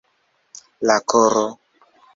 La koro.